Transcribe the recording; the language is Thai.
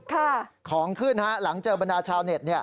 ของขึ้นฮะหลังเจอบรรดาชาวเน็ต